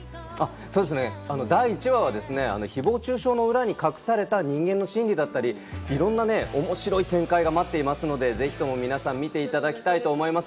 第１話は誹謗中傷の裏に潜む隠された心理だったり、面白い展開が待っていますので、ぜひともみなさん見ていただきたいと思います。